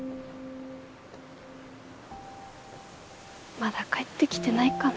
まだ帰ってきてないかな。